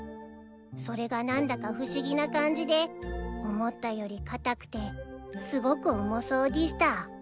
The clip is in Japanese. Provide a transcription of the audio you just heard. それが何だか不思議な感じで思ったより硬くてすごく重そうでぃした。